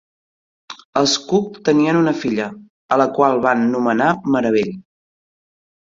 Els Cook tenien una filla, a la qual van nomenar Marabell.